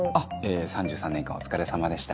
３３年間お疲れさまでした。